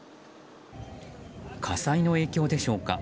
火災の影響でしょうか。